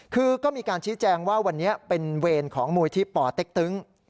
คือก็มีการชี้แจงว่าวันนี้เป็นเวรของมูลที่ป่อเต็กตึง